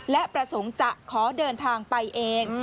และประสงค์จะขอเดินทางไปเอง